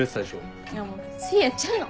もうついやっちゃうの。